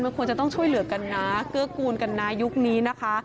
มันควรจะต้องช่วยเหลือกันนะเกื้อกูลกันนะยุคนี้นะคะ